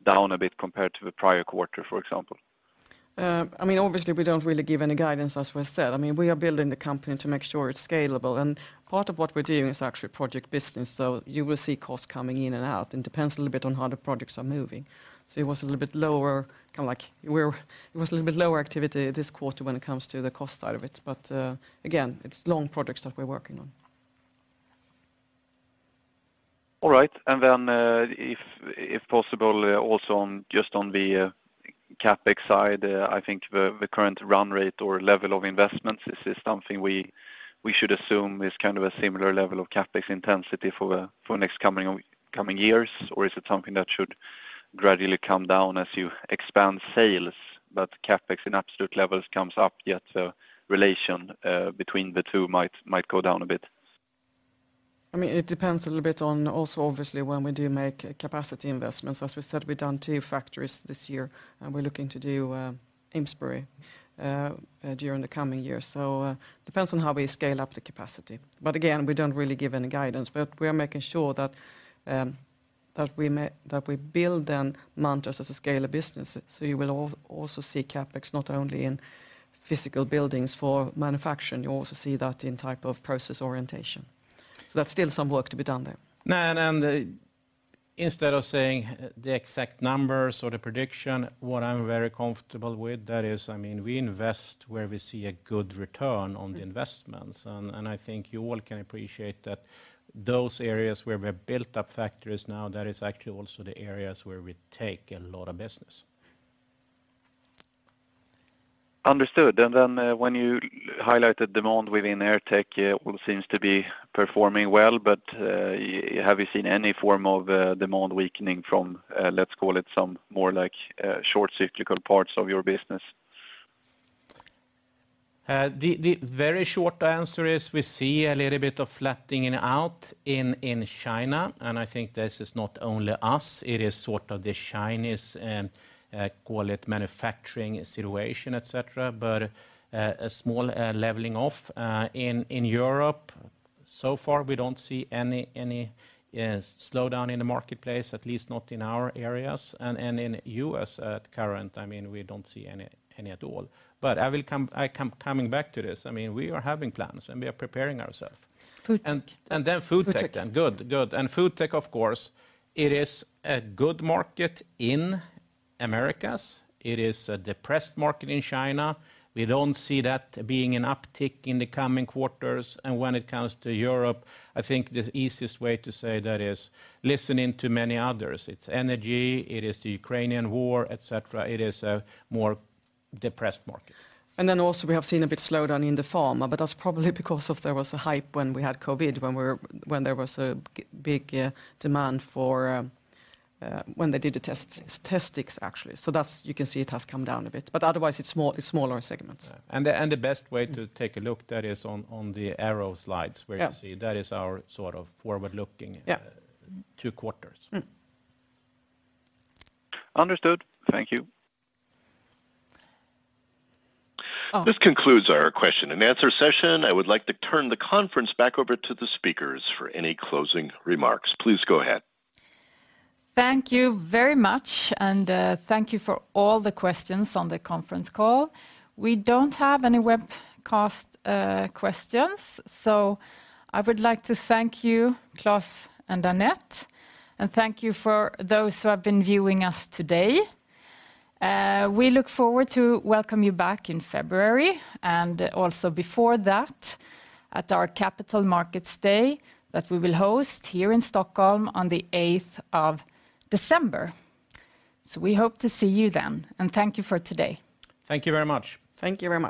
down a bit compared to the prior quarter, for example. I mean, obviously, we don't really give any guidance, as was said. I mean, we are building the company to make sure it's scalable. Part of what we're doing is actually project business, so you will see costs coming in and out. It depends a little bit on how the projects are moving. It was a little bit lower activity this quarter when it comes to the cost side of it. Again, it's long projects that we're working on. All right. If possible, also on just on the CapEx side, I think the current run rate or level of investments, is this something we should assume is kind of a similar level of CapEx intensity for next coming years? Or is it something that should gradually come down as you expand sales, but CapEx in absolute levels comes up, yet the relation between the two might go down a bit? I mean, it depends a little bit on also, obviously, when we do make capacity investments. As we said, we've done two factories this year, and we're looking to do Amesbury during the coming years. Depends on how we scale up the capacity. Again, we don't really give any guidance. We are making sure that we build the Munters as a scalable business. You will also see CapEx not only in physical buildings for manufacturing. You'll also see that in type of process orientation. That's still some work to be done there. No, instead of saying the exact numbers or the prediction, what I'm very comfortable with that is, I mean, we invest where we see a good return on the investments. I think you all can appreciate that those areas where we've built up factories now, that is actually also the areas where we take a lot of business. Understood. Then, when you highlighted demand within AirTech, all seems to be performing well. Have you seen any form of demand weakening from, let's call it some more like short cyclical parts of your business? The very short answer is we see a little bit of flattening out in China, and I think this is not only us, it is sort of the Chinese call it manufacturing situation, et cetera, but a small leveling off in Europe. We don't see any slowdown in the marketplace, at least not in our areas. In the U.S. currently, I mean, we don't see any at all. I am coming back to this, I mean, we are having plans, and we are preparing ourselves. FoodTech. FoodTech. FoodTech. Good, good. FoodTech, of course, it is a good market in Americas. It is a depressed market in China. We don't see that being an uptick in the coming quarters. When it comes to Europe, I think the easiest way to say that is listening to many others. It's energy, it is the Ukrainian War, et cetera. It is a more depressed market. Then also we have seen a bit slowdown in the pharma, but that's probably because there was a hype when we had COVID, when there was a big demand for when they did the tests, test sticks, actually. That's, you can see it has come down a bit. Otherwise, it's small, smaller segments. Yeah. The best way to take a look at that is on our slides. Yeah Where you see that is our sort of forward-looking. Yeah two quarters. Mm. Understood. Thank you. Um- This concludes our question and answer session. I would like to turn the conference back over to the speakers for any closing remarks. Please go ahead. Thank you very much, and thank you for all the questions on the conference call. We don't have any webcast questions, so I would like to thank you, Klas and Annette, and thank you for those who have been viewing us today. We look forward to welcome you back in February, and also before that, at our Capital Markets Day that we will host here in Stockholm on the eighth of December. We hope to see you then, and thank you for today. Thank you very much. Thank you very much.